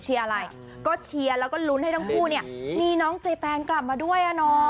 อะไรก็เชียร์แล้วก็ลุ้นให้ทั้งคู่เนี่ยมีน้องเจแปนกลับมาด้วยอะเนาะ